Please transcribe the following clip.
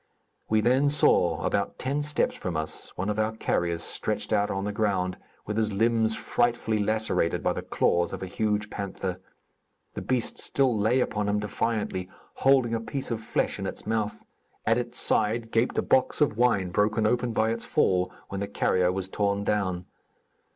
We then saw, about ten steps from us, one of our carriers stretched out on the ground, with his limbs frightfully lacerated by the claws of a huge panther. The beast still lay upon him defiantly, holding a piece of flesh in its mouth. At its side, gaped a box of wine broken open by its fall when the carrier was torn down.